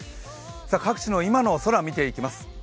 各地の今の空、見ていきます。